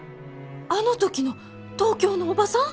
あの時の東京の叔母さん！？